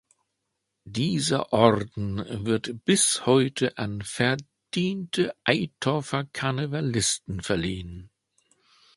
Dieser Orden wird bis heute an verdiente Eitorfer Karnevalisten verliehen.